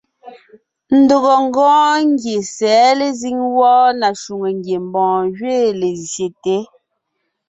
Ndɔgɔ ńgɔɔn ngie sɛ̌ lezíŋ wɔ́ɔ na shwòŋo ngiembɔɔn gẅiin lezsyete.